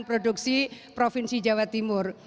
produksi provinsi jawa timur